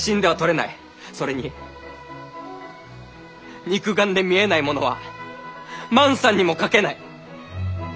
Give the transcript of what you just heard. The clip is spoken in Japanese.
それに肉眼で見えないものは万さんにも描けない！